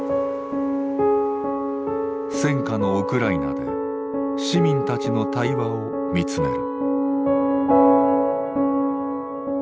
戦禍のウクライナで市民たちの対話を見つめる。